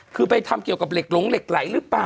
คือไปทำเกี่ยวกับเหล็กหลงเหล็กไหลหรือเปล่า